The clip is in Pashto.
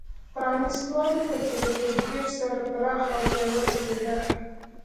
پرانېست والی په کې په تدریج سره پراخ او پیاوړی کېده.